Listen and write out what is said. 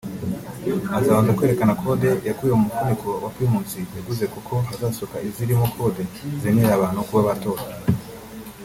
Azabanza kwerekana code yakuye mu mufuniko wa Primus yaguze kuko hazasohoka izirimo Code zemerera abantu kuba batora